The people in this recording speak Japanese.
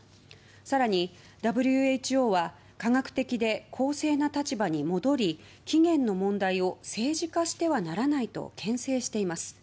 更に、ＷＨＯは科学的で公正な立場に戻り起源の問題を政治化してはならないと牽制しています。